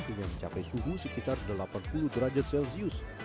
hingga mencapai suhu sekitar delapan puluh derajat celcius